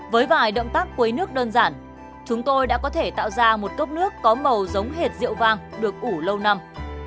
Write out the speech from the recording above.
với vài động tác quấy nước đơn giản chúng tôi đã có thể tạo ra một cốc nước có màu giống hệt rượu vang được ủ lâu năm